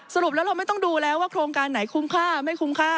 สรุปแล้วเราไม่ต้องดูแล้วว่าโครงการไหนคุ้มค่าไม่คุ้มค่า